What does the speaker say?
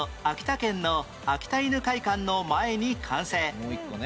秋田県の秋田犬会館の前に完成